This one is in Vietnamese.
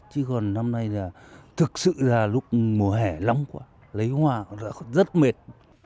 chứ còn năm nay là thực sự là lúc mùa hè lắm quá lấy hoa rất mệt